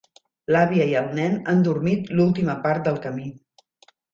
L'àvia i el nen han dormit l'última part del camí.